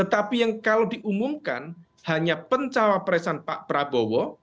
tapi yang kalau diumumkan hanya pencawa presan pak prabowo